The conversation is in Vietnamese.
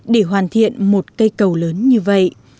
để hoàn thiện một cây cầu lớn như vậy